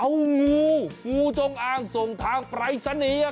เอางูงูจงอ้างส่งทางปรายศนีย์